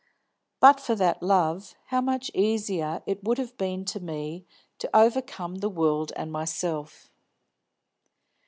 But for that love, how much easier it would have been to me to overcome the world and myself.